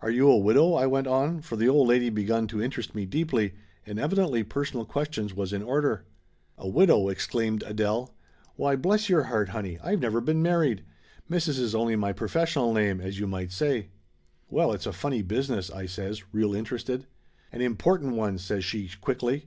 "Are you a widow?" I went on, for the old lady begun to interest me deeply, and evidently personal questions was in order. "A widow!" exclaimed Adele. "Why, bless your 84 Laughter Limited heart, honey, I've never been married! Mrs. is only my professional name, as you might say!" "Well, it's a funny business !" I says, real interested. "An important one!" says she quickly.